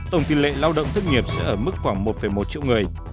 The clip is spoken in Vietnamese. tổng tỷ lệ lao động thất nghiệp sẽ ở mức khoảng một một triệu người